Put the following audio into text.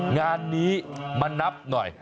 งานนี้มานับหน่อย